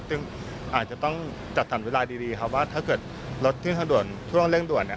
ซึ่งอาจจะต้องจัดสรรเวลาดีครับว่าถ้าเกิดรถขึ้นทางด่วนช่วงเร่งด่วนเนี่ย